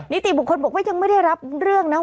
นิติบุคคลบอกว่ายังไม่ได้รับเรื่องนะ